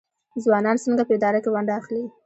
ځوانان څنګه په اداره کې ونډه اخلي؟